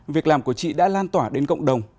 việc làm của chị đã lan tỏa đến cộng đồng